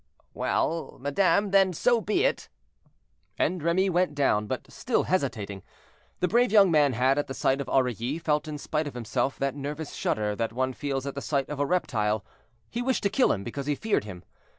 "Well, madame, then, so be it." And Remy went down, but still hesitating. The brave young man had, at the sight of Aurilly, felt, in spite of himself, that nervous shudder that one feels at the sight of a reptile; he wished to kill him because he feared him.